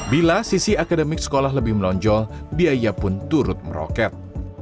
bila sisi akademik sekolah lebih melonjol biaya pun turut meroket